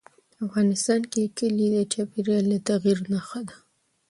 افغانستان کې کلي د چاپېریال د تغیر نښه ده.